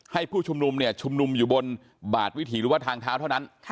ผู้ชุมนุมเนี่ยชุมนุมอยู่บนบาดวิถีหรือว่าทางเท้าเท่านั้น